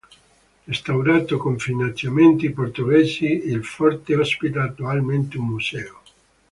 Restaurato con finanziamenti portoghesi il forte ospita attualmente un museo.